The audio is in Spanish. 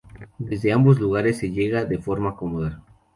Desde ambos lugares se llega de forma cómoda.